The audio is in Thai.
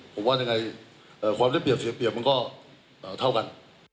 ผมว่าจะยังไงความเปรียบเล็กเสียมันก็เท่ากัน